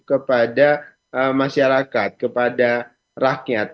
kepada masyarakat kepada rakyat